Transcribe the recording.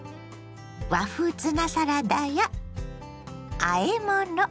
和風ツナサラダやあえ物。